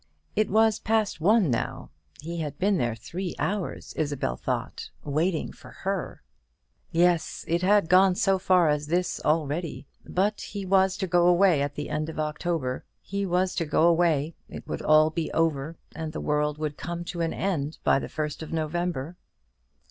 It was past one now. He had been there three hours, Isabel thought, waiting for her. Yes, it had gone so far as this already. But he was to go away at the end of October. He was to go away, it would all be over, and the world come to an end by the 1st of November.